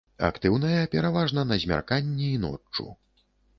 Актыўная пераважна на змярканні і ноччу.